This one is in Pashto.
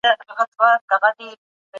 زکات د مال پاکولو لار ده.